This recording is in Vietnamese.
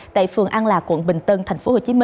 tại phường an lạc quận bình tân tp hcm